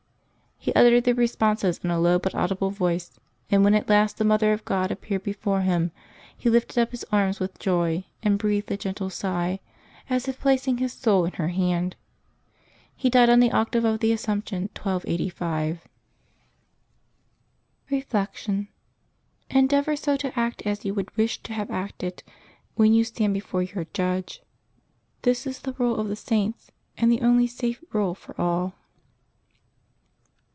He uttered the responses in a low but audible voice; and when at last the Mother of God appeared before him, he lifted up his arms with joy and breathed a gentle sigh, as if placing his soul in her hand. He died on the Octave of the Assumption, 1285. Reflection. — Endeavor so to act as you would wish to have acted, when you stand before your Judge. This is the rule of the Saints, and the only safe rule for all.